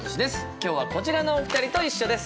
今日はこちらのお二人と一緒です。